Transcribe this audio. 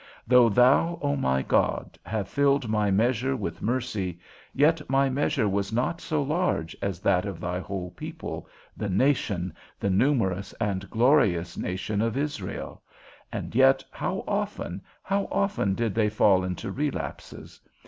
Though thou, O my God, have filled my measure with mercy, yet my measure was not so large as that of thy whole people, the nation, the numerous and glorious nation of Israel; and yet how often, how often did they fall into relapses!